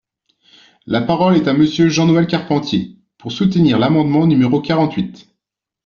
La parole est à Monsieur Jean-Noël Carpentier, pour soutenir l’amendement numéro quarante-huit.